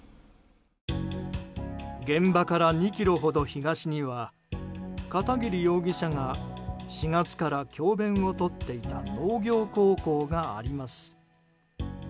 現場から２ｋｍほど東には片桐容疑者が４月から教鞭をとっていた農業高校があります。